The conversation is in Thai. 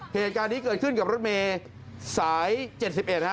เหตุการณ์นี้เกิดขึ้นกับรถเมย์สายเจ็ดสิบเอ็ดนะฮะ